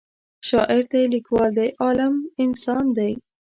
شاعر دی لیکوال دی عالم انسان دی